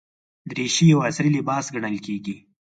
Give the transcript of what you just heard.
دریشي یو عصري لباس ګڼل کېږي.